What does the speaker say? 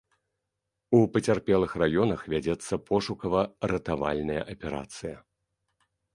У пацярпелых раёнах вядзецца пошукава-ратавальная аперацыя.